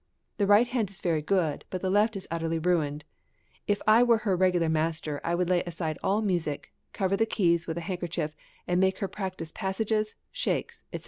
"The right hand is very good, but the left is utterly ruined; if I were her regular master I would lay aside all music, cover the keys with a handkerchief, and make her practise passages, shakes, &c.